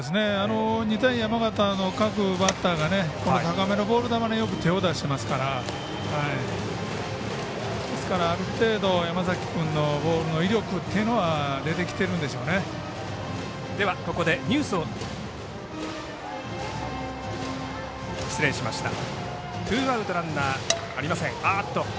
日大山形の各バッターが高めのボール球によく手を出していますからある程度、山崎君のボールの威力っていうのは出てきてるんでしょうね。